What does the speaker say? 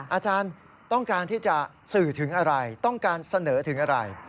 อาจารย์ต้องการที่จะสื่อถึงอะไรต้องการเสนอถึงอะไร